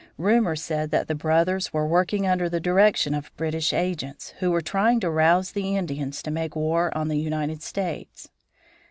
Rumor said that the brothers were working under the direction of British agents, who were trying to rouse the Indians to make war on the United States.